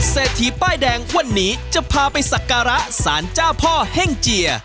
เศรษฐีป้ายแดงวันนี้จะพาไปสักการะสารเจ้าพ่อเฮ่งเจีย